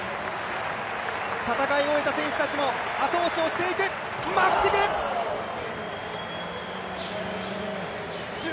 戦い終えた選手たちも後押しをしていくマフチク。